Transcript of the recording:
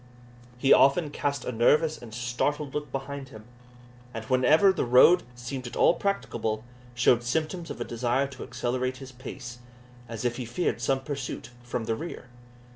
He often cast a nervous and startled look behind him; and whenever the road seemed at all practicable, showed symptoms of a desire to accelerate his pace, as if he feared some pursuit from the rear.